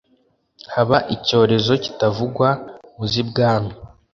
haba icyorezo kitavugwa mu z'ibwami